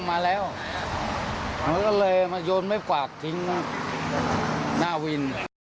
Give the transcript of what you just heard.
มันก็เลยมาโยนไม่ฝากทิ้งหน้าวิน